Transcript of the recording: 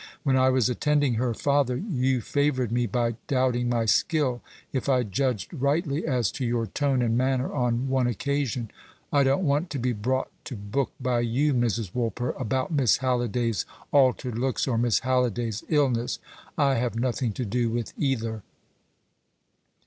When I was attending her father you favoured me by doubting my skill, if I judged rightly as to your tone and manner on one occasion. I don't want to be brought to book by you, Mrs. Woolper, about Miss Halliday's altered looks or Miss Halliday's illness; I have nothing to do with either."